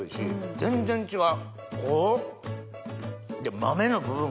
全然違う！